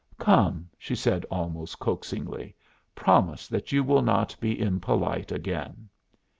"Come," she said, almost coaxingly, "promise that you will not be impolite again."